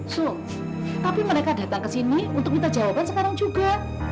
so tapi mereka datang ke sini untuk minta jawaban sekarang juga